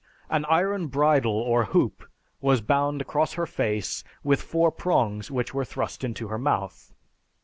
An iron bridle or hoop was bound across her face with four prongs which were thrust into her mouth.